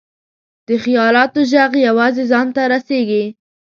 د خیالاتو ږغ یوازې ځان ته رسېږي.